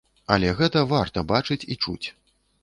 Але гэта варта бачыць і чуць.